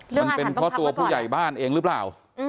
มันเป็นเพราะตัวผู้ใหญ่บ้านเองหรือเปล่า